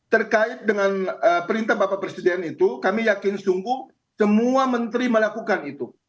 terkait dengan perintah bapak presiden itu kami yakin sungguh semua menteri melakukan itu